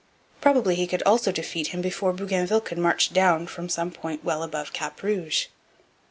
Probably he could also defeat him before Bougainville could march down from some point well above Cap Rouge.